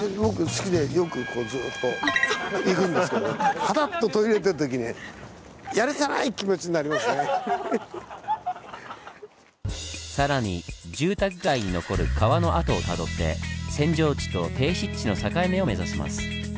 好きでよくずっと行くんですけどハタッと途切れてる時に更に住宅街に残る川の跡をたどって扇状地と低湿地の境目を目指します。